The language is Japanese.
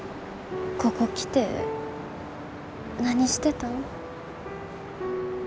ここ来て何してたん？